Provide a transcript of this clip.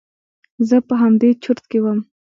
زه په همدې چورت کښې وم.